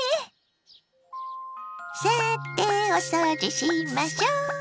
さてお掃除しましょ！